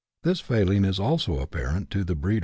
This failing is also apparent to the breeder CHAP.